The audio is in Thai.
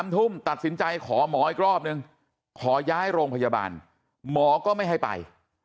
ทุ่มตัดสินใจขอหมออีกรอบนึงขอย้ายโรงพยาบาลหมอก็ไม่ให้ไป